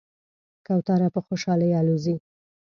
کوتره په خوشحالۍ الوزي.